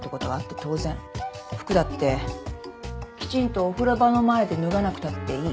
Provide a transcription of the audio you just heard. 服だってきちんとお風呂場の前で脱がなくたっていい。